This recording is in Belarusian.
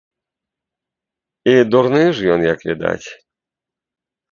І дурны ж ён, як відаць.